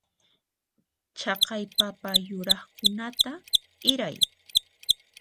Chaqay papa yurakunata t'iray.